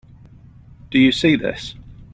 Do you see this?